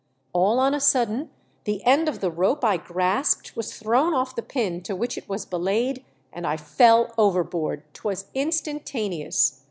All on a sudden the end of the rope I grasped was thrown off the pin to which it was belayed and I fell overboard. 'Twas instantaneous